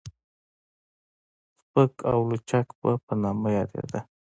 سپک او لچک به په نامه يادېده.